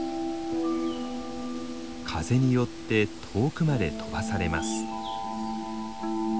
風によって遠くまで飛ばされます。